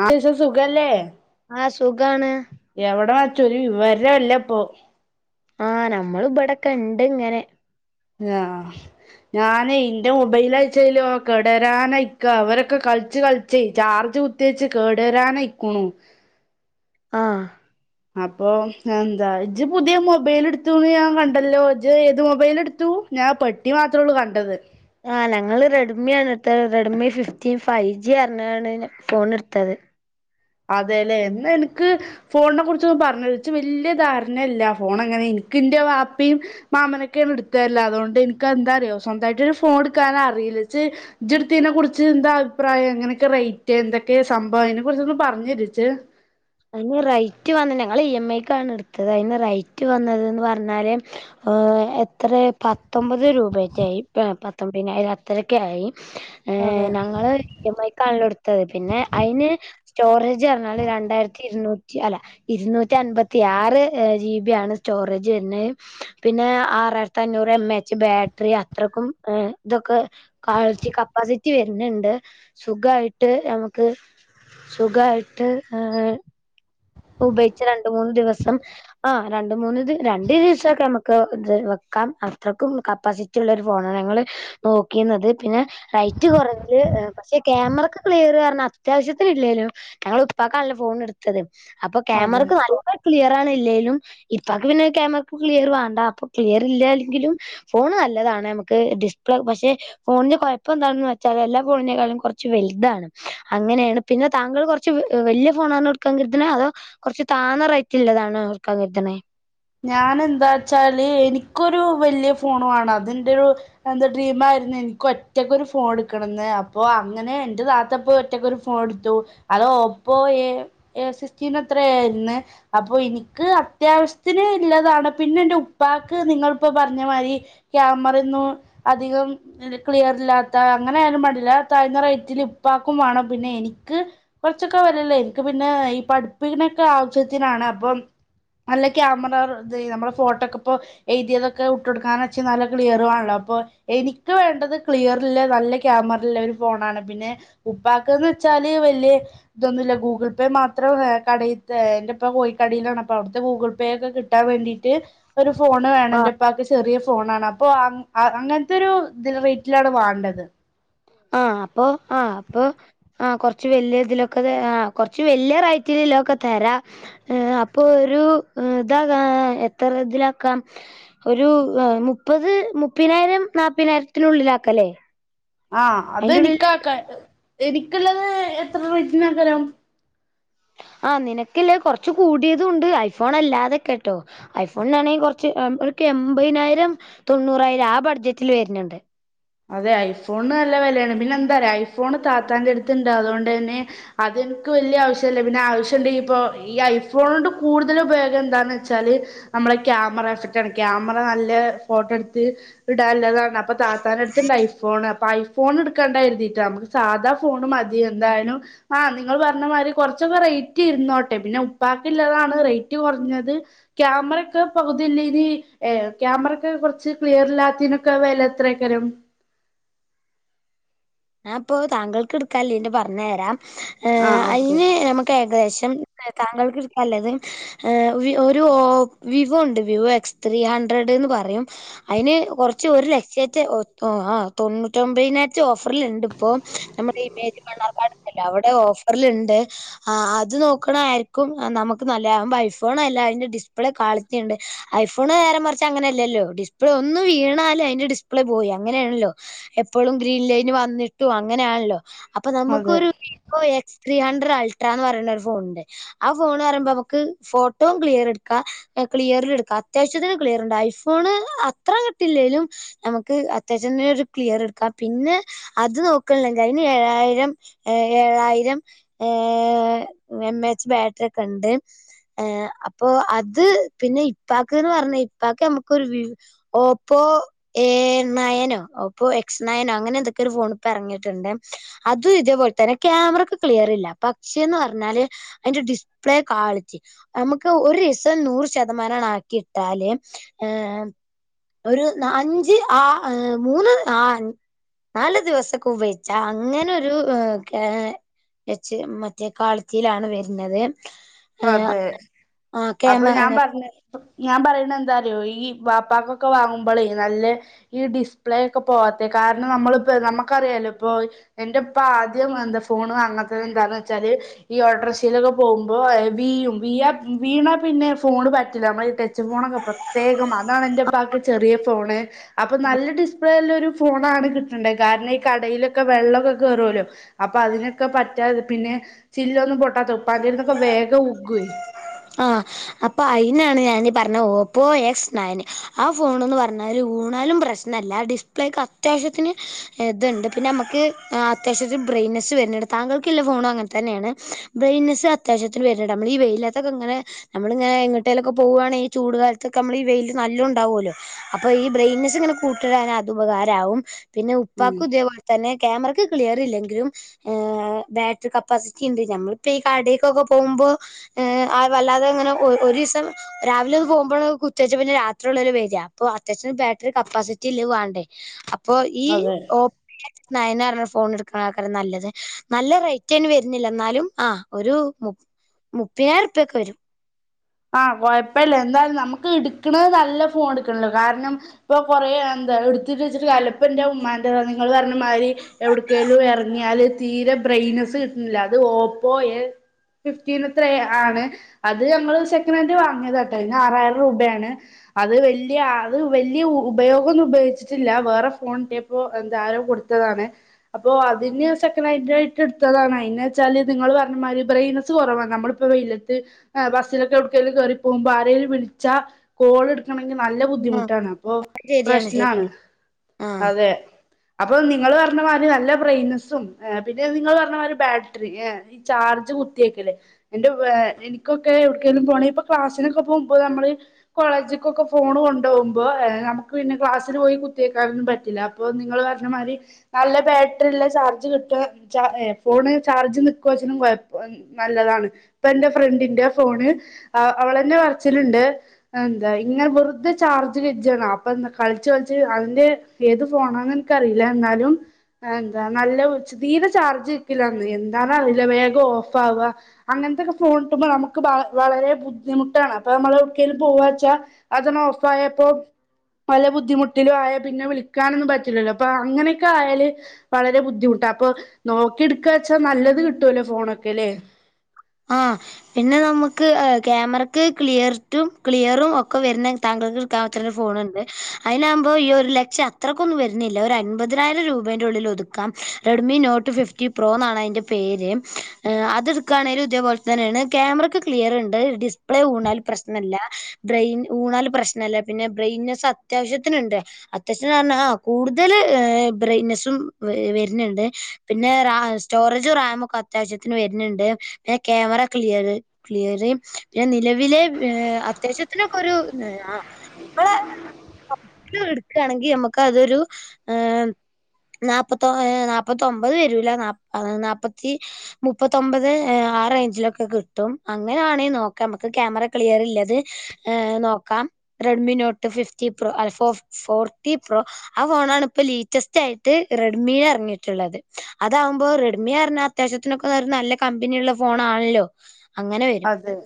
ആഹ എന്താ വിശേഷം സുഖല്ലേ ആഹ സുഖാണ് എവിടെ വച്ചു ഒരു വിവരല്ലപ്പൊ ആഹ് നമ്മൾ ബ്ടെക്കെ ഇണ്ട് ഇങ്ങനെ ആഹ ഞാനേ എന്റെ മൊബൈലാണ്ച്ചലോ കേടരാനായിക്ക വരൊക്കെ കളിച്ച് കളിച്ചേ ചാർജ് കുത്തി ത്തി വെച്ച് കേടരാനായികുണു ആഹ അപ്പൊ എന്താ ഇജ്ജ് പുതിയ മൊബൈല് എടുത്തൂന്ന് ഞാൻ കണ്ടല്ലോ ഇജ്ജ് ഏത് മൊബൈലെടുത്തു ഞാൻ പെട്ടി മാത്രേള്ളൂ കണ്ടത് ആ ഞങ്ങള് റെഡ്മി ആണ് എടുത്തത് റെഡ്മി ഫിഫ്റ്റീൻ ഫൈവ് ജി റഞ്ഞാണ് ഫോൺട്ത്തത് അതെല്ലേ എന്നാ എനിക്ക് ഫോണിനെ കുറിച്ചൊന്ന് പറഞ്ഞ് രൊ ഇച്ച് വല്യ ധാരണയല്ല ഫോൺ അങ്ങനെ എനിക്കിൻ്റെ വാപ്പിം മാമനൊക്കെയാണ് എടുത്തരല് അതുകൊണ്ട് ഇൻക്ക് എന്താ അറിയോ സ്വന്തായിട്ട് ഒരു ഫോൺ എടുക്കാൻ അറിയില്ല ജ്ജ് ജ്ജ് ഇട്ത്തിനെ കുറിച്ച് എന്താ അഭിപ്രായം എങ്ങനെക്ക റൈറ്റ് എന്തൊക്കെ സംഭവം അതിനെ കുറച്ചൊന്ന് പറഞ്ഞെരോ ജ്ജ് അയിന് റൈറ്റ് വന്നത് ഞങ്ങള് ഇ എം ഐക്കാണ് ഇട്ത്തത് അതിന് റൈറ്റ് വന്നത് ന്ന്പറഞ്ഞാല് ഏ ഹഎത്രേ പത്തൊമ്പത് രൂപേറ്റായി പത്തൊമ്പതിനായിരം അത്രക്കായി അതെ ഞങ്ങള് ഇ എം ഐക്കണല്ലോ ഇട്ത്തത് പിന്നെ അയിന് സ്റ്റോറേജ് പറഞ്ഞാല് രണ്ടായിരത്തി ഇരുന്നൂറ്റി അല്ല ഇരുന്നൂറ്റി അൻമ്പത്തി ആറ് ജി ബി ആണ് സ്റ്റോറേജ് വര്ന്ന. പിന്നെ ആറായിരത്തി അഞ്ഞൂറ് എം എച്ച് ബാറ്ററി അത്രക്കും ഇതൊക്കെ. കാൾറ്റി കപ്പാസിറ്റി വരുന്നുണ്ട് സുഖായിട്ട് ഞമ്മക്ക് സുഖായിട്ട് ഹ് ഉപയോഗിച്ച രണ്ട് മൂന്ന് ദിവസം ആ രണ്ട് മൂന്ന്ത് രണ്ട് ദിവസൊക്കെ നമുക്ക് ഇത് വെക്കാം. അത്രയ്ക്കും കപ്പാസിറ്റി റ്റിള്ളൊരു ഫോണാണ് ഞങ്ങൾ നോക്കീന്നത്. പിന്നെ റൈറ്റ് കുറഞ്ഞത് പക്ഷേ ക്യാമറയ്ക്ക് ക്ലിയർ കാരണം അത്യാവശ്യത്തിന് ഇല്ലേലും ഞങ്ങൾ ഉപ്പാക്കാണല്ലോ ഫോൺടുത്തത് അപ്പൊ അതെ ക്യാമറക്ക് നല്ല ക്ലിയർ ആണല്ലേലും ഇപ്പാക്ക് പിന്നെ ക്യാമറക്ക് ക്ലിയർ വേണ്ട അപ്പൊ ക്ലിയറില്ലങ്കിലും ഫോണ് നല്ലതാണ് നമുക്ക് ഡിസ്പ്ലേ പക്ഷേ ഫോണിന് കുഴപ്പം എന്താണെന്ന് വെച്ചാല് എല്ലാ ഫോണിനെക്കാളും കുറച്ച് വല്താണ്. അങ്ങനെയാണ് പിന്നെ താങ്കൾ കുറച്ച് വലിയ ഫോണാണോ എട്ക്കാൻ ക ത്ണ അതോ കുറച്ച് താന്നറൈറ്റുള്ളതാണോ ഇട്ക്കാന്നിക്ക്ണേ? ഞാൻ എന്താ ച്ചാല് എനിക്കൊരു വല്യ ഫോൺ വേണം. അതിന്റെരു എന്റെ ഡ്രീം ആയിരുന്നു എനക്ക് ഒറ്റക്കൊരു ഫോൺ എടുക്കണംന്ന് അപ്പൊ അങ്ങനെ എന്റെ താത്തപ്പോ ഒറ്റക്കൊരു ഫോണ് ടുത്തു അത് ഒപ്പോ എ എ സിസ്റ്റീൻ അത്രയായീന്ന് അപ്പൊ ഇന്ക്ക് അത്യാവശ്യ ത്തിന് ള്ളതാണ് പിന്നെ എന്റെ ഉപ്പാക്ക് നിങ്ങളിപ്പ പറഞ്ഞ മാതിരി ക്യാമറൊന്നും അധികം ക്ലിയർ ഇല്ലാത്ത അങ്ങനെ ആയാലും മാണ്ടില്ല താഴ്ന്ന റേറ്റിൽ ഇപ്പാക്കും വേണം പിന്നെ എനിക്ക് കുറച്ചൊക്കെ വെലള്ളേ ഇൻക്ക് പിന്നെ ഈ പഠിപ്പിൻ്റെക്കെ ആവശ്യത്തിനാണ് അപ്പം അല്ലെ ക്യാമറ ഇത് നമ്മുടെ ഫോട്ടോക്കെ ഇപ്പോ എഴുതിയതൊക്കെ വിട്ടോടുക്കാന് ച്ച് നല്ല ക്ലിയർ വാണല്ലോ? പ്പൊ എനിക്ക് വേണ്ടത് ക്ലിയറൊള്ള നല്ല ക്യാമറള്ളരു ഫോണാണ് പിന്നെ ഉപ്പാക്ന്ന്ച്ചാല് വലിയെ ഇതൊന്നുല്ല. ഗൂഗിൾ പേ മാത്രം കടയിത്തെ എന്റെപ്പ കോയിക്കടയിലാണപ്പ അവിടുത്തെ ഗൂഗിൾ വേഗം കിട്ടാ വേണ്ടീട്ട് ഒരു ഫോണ് വേണം എന്റെപ്പാക്ക് ചെറിയ ഫോണാ ണ്. അപ്പൊ ആ അങ്ങനത്തെരു ഇതില് റേറ്റിലാണ് വാണ്ടത്. ആ അപ്പൊ ആ അപ്പൊ ആ കൊറച്ച് വലിയ ഇതിലൊക്കെ ആ കൊറച്ച് വലിയ റൈറ്റിലിലൊക്കെ തരാം. ഏ അപ്പൊ ഒരുതാകാം എത്ര ഇതിലാക്കാം ഒരു മുപ്പത് മുപ്പയിനായിരം നാപ്പയി നായിരത്തിനുള്ളിലാക്കല്ലേ? ആഹ അത് എനിക്കാക്ക എനിക്ള്ളത് എത്ര റേറ്റിന്നാക്കാരം. ആ നിനക്കില്ലേ കൊറച്കൂടിയതുംണ്ട് ഐഫോണല്ലാതെക്കെട്ടോ ഐഫോണിനാണെങ്കികൊറച്ച് എബൈനായിരം തൊണ്ണൂറായിരം ആ ബഡ്ജറ്റില് വരന്ണ്ട്. അതെ ഐഫോണല്ല വെലാണ് പിന്നെ എന്താറയൊ ഐഫോണ് താത്താന്റെ അടുത്ത്ണ്ട് അതൊടന്നേ അതെനിക്ക് വല്യ ആവശ്യല്ലേ പിന്നെ ആവശ്യണ്ട് ഇപ്പൊ ഈ ഐഫോണ് ണ്ട് കൂടുതലുപയോഗം എന്താന്നാച്ചാല് നമ്മള ക്യാമറഫക്റ്റാണ് ക്യാമറ നല്ല ഫോട്ടോടുത്ത് ഇടാള്ളതാണ്. അപ്പൊ താത്ത ഐഫോണ് അപ്പൊ ഐഫോണ ടുക്കാണ്ടായിരു തിട്ടാ മ്മക്ക് സാധാ ഫോണ് മതി എന്തായാലും ആ നിങ്ങള് പറഞ്ഞ മായിരി കുറച്ചൊക്കെ റേറ്റ് ഇരുന്നോട്ടെ പിന്നെ ഉപ്പാക്ക്ള്ളതാണ് റേറ്റ് കുറഞ്ഞത്. ക്യാമറയ്ക്ക് പകുതില്ലെനി ഏഹ ക്യാമറക്ക്‌ കൊറച്ച് ക്ലിയർ ഇല്ലാത്തി ന് ക്ക്‌ വെലത്രയ്കാരം? ഞാപ്പൊ താങ്കൾക്കടുക്കാല്ലീന്റെ പറഞ്ഞരാം ആ ഏഹ് ഓക്കെ അയിന് നമ ഏകദേശം താങ്കൾക് എടുക്ക ാ ള്ളതു ഏഹ് ഒരു ഓഹ് വിവോണ്ട്. വിവോ എക്സ് ത്രീ ഹൻഡ്രഡ് ന്ന് പറയും. അയിന് കൊറച്ച് ഒരു ലക്ഷോറ്റേ. ഓഹ് ഓഹ് ആഹ് തൊണ്ണൂറ്റൊമ്പതിനായിത്തി ഓ ഫർല് ണ്ട് പ്പോ. [unintelligible] മണ്ണാർക്കാടുണ്ടല്ലോ. അവടെ ഓഫർലിണ്ട്. ആഹ് അത് നോക്കണായിക്കും നമുക്ക് നല്ലത്. അതാവുമ്പോ ഐഫോണല്ലേ. അയിന്റെ ഡിസ്പ്ലേ കാളിറ്റിണ്ട് ഐഫോണ് നേരെ മറച്ച് അങ്ങനെല്ലല്ലോ. ഡിസ്പ്ലേ ഒന്ന് വീണാലയിന്റെ ഡിസ്പ്ലേ പോയി. അങ്ങനേണല്ലോ. എപ്പഴും ഗ്രീൻലൈന് വന്നിട്ടും അങ്ങനെയാല്ലോ. അപ്പോ നമ്മക്കൊരു ഓഹ് എക്സ് ത്രീ ഹണ്ട്രഡ് അൾട്രാന്ന് പറയുന്നരു ഫോണുണ്ട്. ആഹ് ഫോണ് പറയുമ്പോ അമ്മക്ക് ഫോട്ടോ ക്ലിയറെടുക്കാം. ക്ലിയറിലെടുക്കാ. അത്യാവശ്യത്തിന് ക്ലിയറിണ്ട്. ഐഫോണ് അത്ര കിട്ടില്ലേലും. നമ്മക്ക് അത്യാവശ്യതിന് ഒരു ക്ലിയറെടുക്കാ. പിന്നെ അത് നോക്കണ്ല്ലെങ്കി അയിന് ഏഴായിരം. ഏഹ് ഏഴായിരം ഏഹ് എം എ എച്ച് ബാറ്ററി ഒക്കെ ണ്ട് ഏഹ് അപ്പോ അത്, പിന്നെ ഇപ്പാക്ക്ന്ന് പറഞ്ഞ ഇപ്പാക്ക് നമുക്കൊരു വീ ഓപ്പോ എ ണയനോ ഓപ്പോ എക്സ് ണയനോ അങ്ങനെന്തോ ക്കൊരു ഫോണിപ്പറങ്ങിട്ടുണ്ടേ അതും ഇതേപോലെ തന്നെ ക്യാമറക്ക് ക്ലിയറില്ല പക്ഷേന്ന് പറഞ്ഞാല് അയിന്റെ ഡിസ്പ്ലേ കാളിറ്റി അമ്മക്ക് ഒരീസം നൂറ് ശതമാനങ്ങട് ആക്കിട്ടാല് ആഹ് ഒരു ന അഞ്ച് ആഹ് മൂന്ന് ആഹ് നാല് ദിവസൊക്കെ ഉപയോഗിച്ചാ അങ്ങനെ ഒരു ഏഹ് കെ വച്ച് മറ്റേ കാളിറ്റിലാണ് വരുന്നത് അതെ. ആ അപ്പോ ക്യാമ ഞാൻ പറഞ്ഞ് പ്പ ഞാൻ പറയണെന്താറിയോ? ഈ വാപ്പാക്കൊക്കെ വാങ്ങുമ്പളെ നല്ല ഈ ഡിസ്പ്ലേ ഒക്കെ പോവാത്തെ കാരണം നമ്മളിപ്പോ നമുക്കറിയാലോ ഇപ്പോ എന്റെ ഉപ്പ ആദ്യം എന്താ ഫോണ് വാങ്ങാത്തത് എന്താന്ന് വെച്ചാല്, ഈ ഓട്ടോറിഷയിലൊക്കെ പോവു മ്പോ ഏഹ് വീയും വീയാ വീണാ പിന്നെ ഫോണ് പറ്റൂല്ല. മ്മള ഈ ടച്ച് ഫോണൊക്കെ പ്രത്യേകം. അതാണ് എൻ്റെപ്പാക്ക് ചെറിയ ഫോണ്. അപ്പ ആ നല്ല ഡിസ്പ്ലേള്ള ഒരു ഫോണാണ് കിട്ടണ്ടേ. കാരണം ഈ കടയിലൊക്കെ വെള്ളോക്കെ കേറോല്ലോ. അപ്പ അതിനൊക്കെ പറ്റാതെ, പിന്നെ ചില്ലൊന്നും പൊട്ടാത്ത, ഉപ്പാക്കിതിന്നൊക്കെ വേഗോ ഉക്കുവേ ആഹ് അപ്പ അയിനാണ് ഞാനീ പറഞ്ഞത്. Oppo X nine. ആഹ് ഫോണ്ന്ന് പറഞ്ഞാല് വൂണാലും പ്രശ് ശ്നല്ല ഡിസ്പ്ലേക്ക് അത്യാവശ്യത്തിന് ഇതുണ്ട്. പിന്നെ അമ്മക്ക് അത്യാവശ്യത്തിന് ബ്രെയിറ്റ്നെസ് വരുന്നുണ്ട്. താങ്കൾക്കുള്ള ഫോണും അങ്ങൻതന്നേണ് ബ്രയിറ്റ്നസ് അത്യാവശ്യത്തില് വരണ് ണ്ട്. നമ്മൾ ഈ വെയില ത്തോക്കെ ഇങ്ങനെ നമ്മള് ഇങ്ങനെ എങ്ങട്ടേലൊക്കെ പോവു ആണെങ്കി ഈ ചൂട്കാല്ത്തൊക്കെ അമ്മൾ ഈ വെയില് നല്ലോം ഉണ്ടാവുല്ലോ അപ്പോ ഈ ബ്രെയിറ്റ്നസ് ഇങ്ങനെ കൂട്ടിടാൻ അത് ഉപകാരാവും. പിന്നെ ഉം ഉപ്പാക്കും ഇതേപോലെ തന്നെ ക്യാമറക്ക് ക്ലിയർ ഇല്ലെങ്കിലും ഏഹ് ബാറ്ററി കപ്പാസിറ്റിണ്ട്. ഞമ്മളിപ്പോ ഈ കടേക്കൊക്കെ പോകുമ്പോ ഏഹ്, ആഹ് വല്ലാതെ അങ്ങനെ ഓ ഒരീസം രാവിലോന്ന് പോകുമ്പളോക്കെ കുത്ത്യേച്ച പിന്നെ രാത്രി ഉള്ളലോ വെരാ. അപ്പോ അത്യാവശ്യം ബാറ്ററി കപ്പാസിറ്റി ഇല്ലത് വാണ്ടേ? പ്പോ ഈഹ് അതെ ഓഹ് നയന് പറഞ്ഞ ഫോൺ എടുക്കണാക്കരാ നല്ലത്. നല്ല റേറ്റയ്ന് വരുന്നില്ല. എന്നാലും ആഹ് ഒരു മു മുപ്പയ്നായ്ര ഉറുപ്യൊക്കെ വരും ആഹ് കൊയപ്പല്ല്യാ. എന്തായാലും നമ്മുക്ക് ഇടുക്കണത് നല്ല ഫോൺ ഇടുക്കണല്ലോ. കാരണം ഇപ്പോ കൊറെ എം എന്താ എടുത്തിട്ട് വെച്ചിട്ട് കാര്യല്ല. ഇപ്പ ന്റെ ഉമ്മാന്റെതാണ് നിങ്ങൾ പറഞ്ഞ മാതിരി എവിടക്കെലും ഇറങ്ങിയാല് തീരെ ബ്രൈറ്റ്നെസ്സ് കിട്ടുന്നില്ല അത് ഓപ്പോയൽ ഫിഫ്റ്റീൻ എത്ര ആണ് അത് ഞങ്ങൾ സെക്ക നൻഡ് വാങ്ങിയത് കേട്ടോ അതിന് ആറായിരം രൂപയാണ് അത് വലിയ അത് വലിയ ഉപയോഗമൊന്നും ഉപയോഗിച്ചിട്ടില്ല വേറെ ഫോൺ ഇപ്പോ എന്താ ആരോ കൊടുത്തതാണ് അപ്പോ അതിന് സെക്കൻഡ് ഹാൻഡ് ആയിട്ട എടുത്തതാണ് അയിന് വെച്ചാല് നിങ്ങള് പറഞ്ഞ മാതിരി ബ്രെയിനസ് കുറവ നമ്മ പ്പ വെയിലത്ത് ബസ്സിലൊക്കെ എവിടു കേറി പോകുമ്പോ ആരെലും വിളിച്ച കോൾ എടു ക്കണെങ്കിൽ നല്ല ആ ബുദ്ധിമുട്ടാണ് അപ്പൊ ശരിയാണ് പ്രശ്നാണ് ശരിയാണ് ആ അതെ അപ്പൊ നിങ്ങള് പറഞ്ഞ മാതിരി നല്ല ബ്രെയിനസും പിന്നെ നിങ്ങൾ പറഞ്ഞ മാര് ബാറ്ററി ഏഹ് ഈ ചാർജ് കുത്തിയക്കല്ലേ അയ്ന്റെ വേ എനിക്കൊ ക്കെ എവിടക്കേലും പോണേ ഇപ്പോ ക്ലാസിനൊക്കെ പോക്പോ നമ്മള് കോളേജിക്കൊക്കെ ഫോൺ കൊണ്ടുപോകുമ്പോ നമുക്ക് പിന്നെ ക്ലാസ്സിൽ പോയി കുത്തിയേക്കാരൊന്നും പറ്റില്ല അപ്പോ നിങ്ങള് പറഞ്ഞ മാതിരി നല്ല ബാറ്ററിള്ള ചാർജ് കിട്ടുക ഫോണ് ചാർജ് നിക്കുവച്ഛനും കൊഴപ്പ നല്ലതാണ് ഇപ്പ എന്റെ ഫ്രണ്ടിന്റെ ഫോണ് അവളെന്നെ പറച്ചില്ണ്ട് ന്താ ഇങ്ങനെ വെറുതെ ചാർജ് കജാണ് അപ്പൊന്താ കളിച്ച് കളിച്ച് അതിന്റെ ഏത് ഫോണാന്ന് എനക്കറിയില്ല എന്നാലും എന്താ നല്ല തീരെ ചാർജ് നിക്കില്ലന്ന് എന്താണ അറില്ല വേഗം ഓഫ് ആവ അങ്ങനത്തെക്കെ ഫോണ്ടുക്ക [unintelligible] വളരെ ബുദ്ധിമുട്ടാണ് അപ്പൊ നമ്മള് ഒക്കെ പോവാ വച്ചാ അതന് ഓഫ ആയപ്പോ പല ബുദ്ധിമുട്ടിലും ആയാൽ പിന്നെ വിളിക്കാനൊന്നും പറ്റില്ലല്ലോ അപ്പൊ അങ്ങനെയൊക്കെ ആയാല് വളരെ ബുദ്ധിമുട്ടാണ് അപ്പൊ നോക്കി എടുക്ക വച്ചാ നല്ലത് കിട്ടുവല്ലോ ഫോണൊക്കെ അല്ലേ ആഹ് പിന്നെ നമുക്ക് ക്യാമറയ്ക്ക് ക്ലിയർട്ടും ക്ലിയറും ഒക്കെ വരുന്ന താങ്കൾക്ക് തത്തേടെ ഒരു ഫോണുണ്ട് അതിനാകുമ്പോൾ ഈ ഒരു ലക്ഷം അത്രക്കൊന്നും വരുന്നില്ല ഒരു അൻപതിനായിരം രൂപേന്റെ ഉള്ളിൽ ഒതുക്ക ക്കാം റെഡ്മി നോട്ട് ഫിഫ്റ്റി പ്രോ എന്നാണ് അതിന്റെ പേര് അത് എടുക്കയാണേലും ഇതേപോലെ തന്നെയാണ് ക്യാമറക്ക് ക്ലിയർ ഉണ്ട് ഡിസ്പ്ലേ ഊണാൽ പ്രശ്നല്ല ബ്രെയിൻ ഊണാൽ പ്രശ്നല്ല പിന്നെ ബ്രെയിൻനെസ്സ് അത്യാവശ്യത്തിനുണ്ട് അത്യാവശ്യം പറഞ്ഞ ആഹ് കൂടുതൽ ബ്രൈറ്റ്നെസ്സും വരുന്നുണ്ട് പിന്നെ റ സ്റ്റോറേജും റാമൊക്കെ അത്യാവശ്യത്തിന് വരുണണ്ട് പിന്നെ ക്യാമറ ക്ലിയർ ക്ലിയറ് പിന്നെ നിലവിലെ അത്യാവശ്യത്തിനൊക്കെ ഒരു ആഹ് [inaudible] എടുക്കയാണെങ്കിൽ നമുക്ക് അതൊരു ആഹ് നാപ്പത്തഏ നാപ്പത്തൊമ്പത് വരൂല്ല ന നാല്പ്പത്തി മുപ്പത്തൊമ്പത് ആ റേഞ്ചിലൊക്കെ കിട്ടും അങ്ങനെയാണെങ്കിൽ നോക്കാം നമുക്ക് ക്യാമറ ക്ലിയർല്ലത് ഹ് നോക്കാം റെഡ്മി നോട്ട് ഫിഫ്റ്റി പ്രോ അല്ല ഫോ ഫോർട്ടി പ്രോ ആ ഫോണണ ഇപ്പൊ ലീറ്റസ്റ്റ് ആയിട്ട് റെഡ്മി ഇറങ്ങിയിട്ടുള്ളത് അതാവുമ്പോൾ റെഡ്മി റഞ്ഞ അത്യാവശ്യത്തിനൊക്കെ നല്ല കമ്പനിയുള്ള ഫോൺ ആണല്ലോ അതെ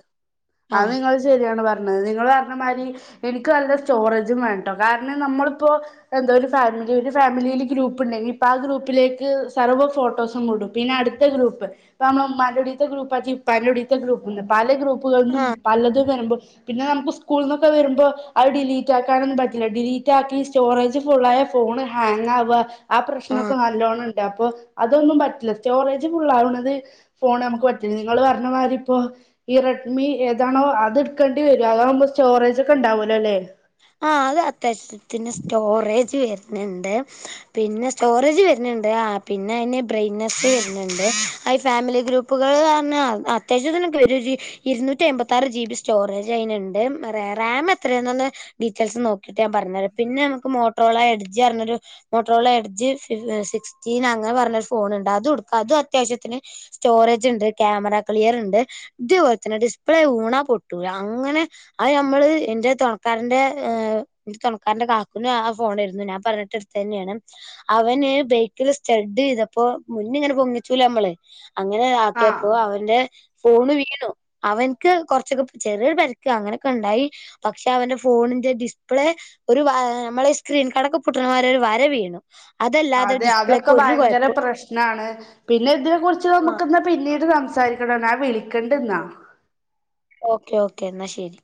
അത് നിങ്ങള്ൾ ശരിയാണ് പറഞ്ഞത് നിങ്ങള് പറഞ്ഞ മാതിരി എനിക്ക് നല്ല സ്റ്റോറജും വേട്ടോ കാരണം നമ്മളിപ്പോൊ എന്താ ഒരു ഫാമിലി ഒരു ഫാമിലിയിയില് ഗ്രൂപ്പ് ഉണ്ടെങ്കി ഇപ്പൊ ആ ഗ്രൂപ്പിലേക്ക് സർവ്വ ഫോട്ടോസും വിടും പിന്നെ അടുത്ത ഗ്രൂപ്പ് ഇപ്പ ഇമ്മെൻ്റെ ലുടിയത്തെ ഗ്രൂപ്പ് ആക്കിഉപ്പാൻ്റെ ടി ത്തെ ഗ്രൂപ്പണ്ട് പല ഗ്രൂപ്പുകളന്നും ആഹ് പലതും വരുമ്പോൾ പിന്നെ നമുക്ക് സ്കൂളന്നൊക്കെ വരുമ്പോ അത് ഡിലീറ്റ ആാക്കാനൊന്നും പറ്റില്ല ഡിലീറ്റ ആാക്കി സ്റ്റോറേജ് ഫുള്ളായ ഫോണ് ഹാങ്ങാവ ആ പ്രശ്നക്കെ ആഹ് ന ലോണണ്ട് പ്പോ അതൊന്നും പറ്റില്ല സ്റ്റോറേജ് ഫുള് ആാവണത് ഫോൺ നമുക്ക് പറ്റി [unintelligible] നിങ്ങള് പറഞ്ഞ മാതിരി ഇപ്പൊ ഈ റെഡ്മി ഏതാണോ അതെ ടുക്കേണ്ടി വരും അതാകുമ്പോ സ്റ്റോറേജ് ഒക്കെ ഉണ്ടാവൂലോ അല്ലേ ആ അത് അത്യാവശ്യത്തിന് സ്റ്റോറേജ് വരുന്നുണ്ട് പിന്നെ സ്റ്റോറേജ് വര്ന്നുണ്ട് പിന്നെ അതിന്റെ ബ്രെയ്‌നെസ്സ് വര്ന്നുണ്ട് അയ് ഫാമിലി ഗ്രൂപ്പ് പ്പുകൾ പറഞ്ഞാ അത്യാവശ്യത്തിനൊക്കെ ഒരു ജിബി ഇരുന്നൂറ്റി അമ്പത്തി ആറ് ജി ബി സ്റ്റോറേജ് അയിന്ണ്ട് റാം എത്രയാെന്ന് ഡീറ്റെയിൽസ് നോക്കിയിട്ട് ഞാൻ പറഞ്ഞരാ പിന്നെ നമുക്ക് മോട്ടോർലഎഡ്ജ് എന്നൊരു മോട്ട്രോലാ എഡ്ജ് സിക്സ്റ്റീൻ അങ്ങനെ പറഞ്ഞൊരു ഫോണുണ്ട് അത് എടു ക്കാ അതും അത്യാവശ്യത്തിന് സ്റ്റോറേജ് ഇണ്ട് ക്യാമറ ക്ലിയർ ഇണ്ട് ഇതേപോലെ തന്നെ ഡിസ്പ്ലേ വൂണാ പൊട്ടൂല അങ്ങനെ അത് നമ്മള് എന്റെ തൊണക്കാര എന്റെ എ തുണക്കാരൻന്റെ കാക്കുന് ആ ഫോണായിരുന്നു ഞാൻ പറഞ്ഞിട്ട് എടുത്ത് തന്നെയാണ് അവന് ബൈക്കില് സ്റ്റെഡ് ചെയ്തപ്പോ മുന്ന് ഇങ്ങനെ പൊങ്ങിച്ചൂലേ നമ്മള് അങ്ങനെ ആഹ് ആക്കിയപ്പോ അവന്റെ ഫോണ് വീണു അവൻക്ക് കുറച്ചൊക്കെ ചെറിയൊരു പരിക്ക്‌ അങ്ങനെയൊക്കെ ഉണ്ടായി പക്ഷെ അവന്റെ ഫോണിന്റെ ഡിസ്പ്ലേ ഒരു നമ്മളെ സ്ക്രീൻ കാടൊക്കെ പൊട്ടണമാതിരി ഒരു വര വീണു അതല്ലാതെ ഡിസ്പ്ലേക്ക് ഒരു കൊഴപ്പം ന്നാണ് പിന്നെ ഇതിനെ കുറിച്ച് നമുക്ക്ന്നാ പിന്നീട് സംസാരിക്കണംന്നാ വിളിക്കണ്ട് ന്നാ ഓക്കേ ഓക്കേ എന്നാ ശരി